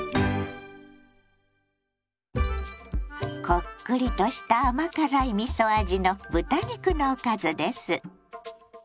こっくりとした甘辛いみそ味の豚肉のおかずです。